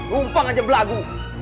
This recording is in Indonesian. rumpang aja belagu